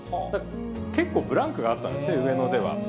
結構ブランクがあったんですね、上野では。